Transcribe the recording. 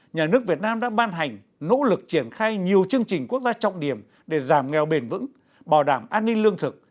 nhà nước việt nam đã ban hành nỗ lực triển khai nhiều chương trình quốc gia trọng điểm để giảm nghèo bền vững bảo đảm an ninh lương thực